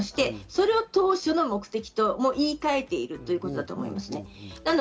それを当初の目的と言い換えているということだと思います。